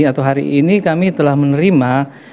atau hari ini kami telah menerima